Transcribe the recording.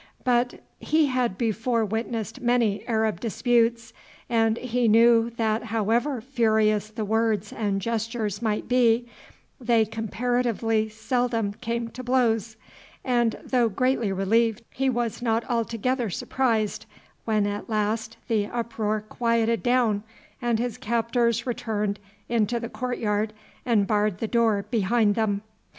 But he had before witnessed many Arab disputes, and knew that however furious the words and gestures might be they comparatively seldom came to blows, and though greatly relieved he was not altogether surprised when at last the uproar quieted down, and his captors returned into the court yard and barred the door behind them.